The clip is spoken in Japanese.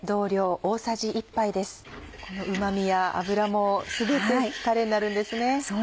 このうま味や脂も全てタレになるんですね。